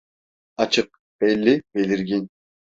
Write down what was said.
Açık, belli, belirgin.